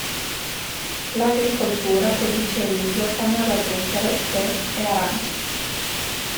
L'agricoltura produce riso, canna da zucchero, tè e arance.